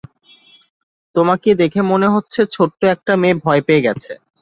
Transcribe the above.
তোমাকে দেখে মনে হচ্ছে ছোট্ট একটা মেয়ে ভয় পেয়ে গেছে।